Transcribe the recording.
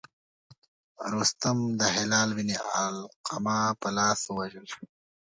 رستم د هلال بن علقمه په لاس ووژل شو.